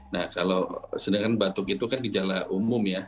nah kalau sedangkan batuk itu kan gejala umum ya